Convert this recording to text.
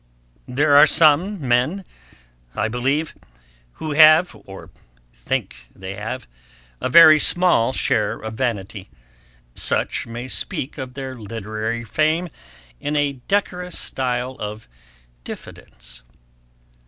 There are some men, I believe, who have, or think they have, a very small share of vanity. Such may speak of their literary fame in a decorous style of diffidence.